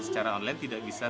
saya tidak tahu